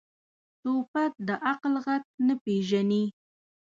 توپک د عقل غږ نه پېژني.